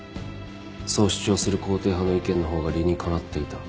そう主張する肯定派の意見の方が理にかなっていた。